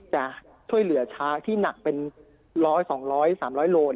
จะช่วยเหลือช้างที่หนักเป็น๑๐๐๒๐๐๓๐๐โล